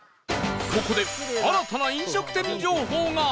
ここで新たな飲食店情報が！